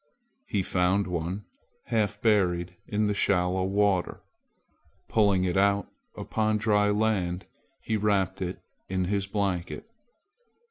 He found one half buried in the shallow water. Pulling it out upon dry land, he wrapped it in his blanket.